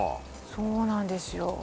そうなんですよ